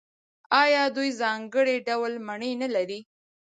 آیا دوی ځانګړي ډول مڼې نلري؟